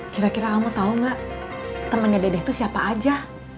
kira kira kamu tahu gak temannya dedeh itu siapa aja